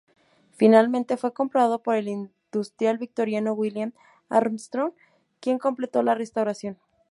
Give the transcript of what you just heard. Finalmente fue comprado por el industrial victoriano William Armstrong, quien completó la restauración.